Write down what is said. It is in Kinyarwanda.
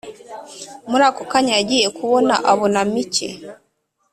murako kanya yagiye kubona abona mike